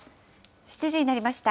７時になりました。